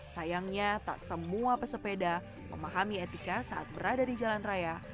sayangnya tak semua pesepeda memahami etika saat berada di jalan raya